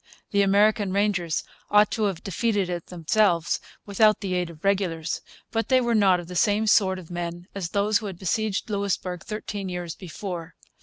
The American Rangers ought to have defeated it themselves, without the aid of regulars. But they were not the same sort of men as those who had besieged Louisbourg thirteen years before.